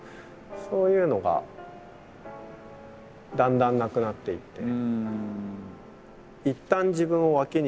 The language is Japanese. そういうのがだんだんなくなっていって。